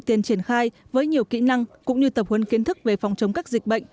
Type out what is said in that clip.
tiền triển khai với nhiều kỹ năng cũng như tập huấn kiến thức về phòng chống các dịch bệnh